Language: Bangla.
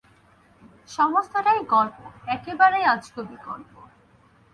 সমস্তটাই গল্প, একেবারেই আজগবি গল্প।